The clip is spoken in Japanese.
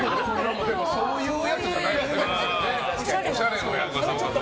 そういうやつじゃないでしょ